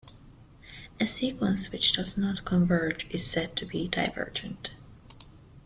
A sequence which does not converge is said to be divergent.